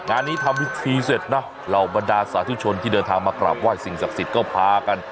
งานนี้ทำพิธีเสร็จนะเหล่าบรรดาสาธุชนที่เดินทางมากราบไห้สิ่งศักดิ์สิทธิ์ก็พากัน